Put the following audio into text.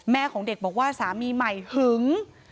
ของเด็กบอกว่าสามีใหม่หึง